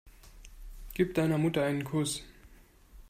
Gib deiner Mutter einen Kuss.